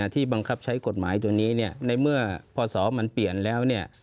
ที่บังคับใช้กฎหมายตัวนี้ในเมื่อพอสอบมันเปลี่ยนแล้ว